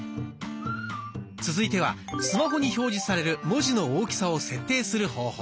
続いてはスマホに表示される文字の大きさを設定する方法。